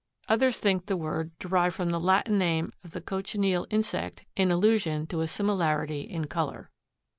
Others think the word derived from the Latin name of the cochineal insect in allusion to a similarity in color.